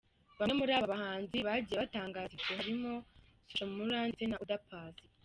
Bamwe muri aba bahanzi bagiye batangaza ibyo harimo Social Mula ndetse na Oda Paccy.